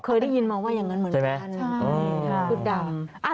เคยได้ยินมาว่าอย่างนั้นเหมือนกัน